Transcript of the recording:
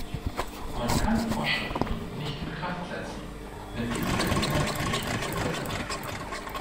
Man kann Vorschriften nicht in Kraft setzen, wenn diese Bedingungen nicht erfüllbar sind.